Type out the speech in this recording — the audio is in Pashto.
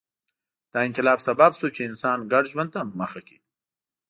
دا انقلاب سبب شو چې انسان ګډ ژوند ته مخه کړي